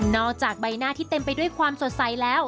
อกจากใบหน้าที่เต็มไปด้วยความสดใสแล้ว